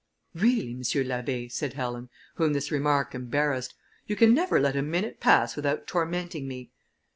"Really, M. l'Abbé," said Helen, whom this remark embarrassed, "you can never let a minute pass without tormenting me!"